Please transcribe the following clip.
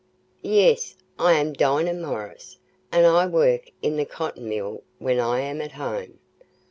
"Yes, I am Dinah Morris, and I work in the cotton mill when I am at home."